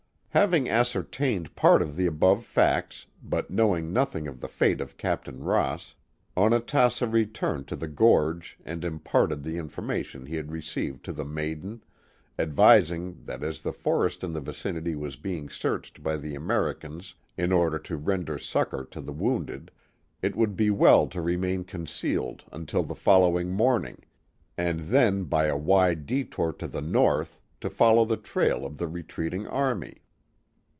Having ascertained part of the above facts, but knowing nothing of the fate of Captain Ross, Onatassa returned to the gorge and imparted the information he had received to the maiden, advising that as the forest in the vicinity was being searched by the Americans in order to render succor to the wounded, it would be well to remain concealed until the fol lowing morning, and then by a wide detour to the north to follow the trail of the retreating army.